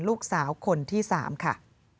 ลูกสาวคนที่๓ค่ะ